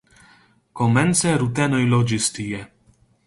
Komence rutenoj loĝis tie.